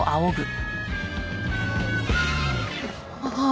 ああ！